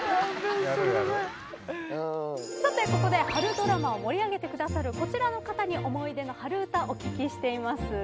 さてここで春ドラマを盛り上げてくださるこちらの方に思い出の春うたお聞きしています。